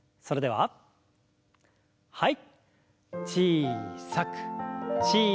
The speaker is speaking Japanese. はい。